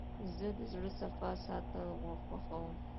زه د زړه صفا ساتل خوښوم.